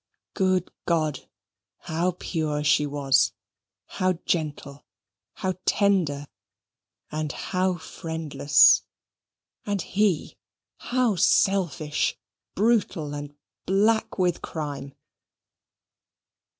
Good God! how pure she was; how gentle, how tender, and how friendless! and he, how selfish, brutal, and black with crime!